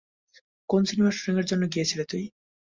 কোন সিনেমার শ্যুটিংয়ের জন্য গিয়েছিলি তুই?